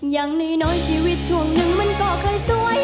อย่างน้อยชีวิตช่วงหนึ่งมันก็เคยสวย